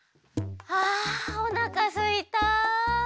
あおなかすいた。